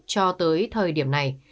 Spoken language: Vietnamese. cho tới thời điểm này